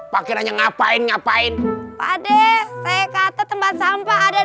pakai nanya ngapain ngapain pade saya kata tempat sampah ada